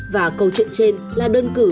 và câu chuyện trên là đơn cử